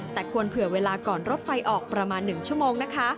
แต่ควรเผื่อเวลาก่อนรถไฟออกประมาณ๑ชั่วโมงนะคะ